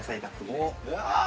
うわ。